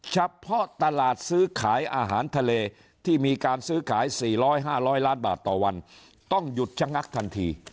เฉพาะตลาดซื้อขายอาหารทะเลที่มีการซื้อขาย๔๐๐๕๐๐ล้านบาทต่อวันต้องหยุดชะงักทันที